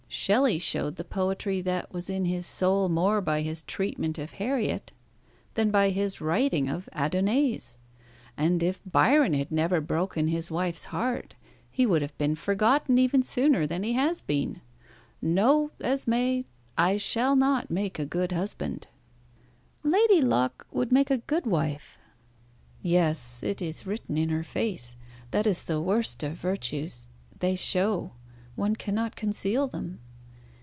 Shelley showed the poetry that was in his soul more by his treatment of Harriet than by his writing of 'Adonais;' and if Byron had never broken his wife's heart, he would have been forgotten even sooner than he has been. No, Esmé; I shall not make a good husband." "Lady Locke would make a good wife." "Yes, it is written in her face. That is the worst of virtues. They show. One cannot conceal them."